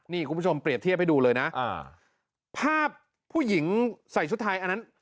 นี่คุณผู้ชมเปรียบเทียบให้ดูเลยนะอ่าภาพผู้หญิงใส่ชุดไทยอันนั้น